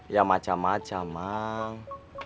ya macam macam mang